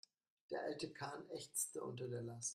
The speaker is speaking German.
Der alte Kahn ächzte unter der Last.